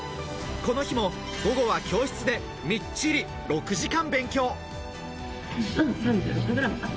この日も午後は教室でみっちり６時間勉強。